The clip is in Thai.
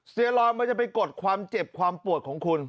รอยมันจะไปกดความเจ็บความปวดของคุณ